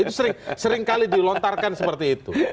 itu seringkali dilontarkan seperti itu